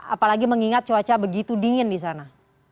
apalagi mengingat cuaca begitu dingin di sana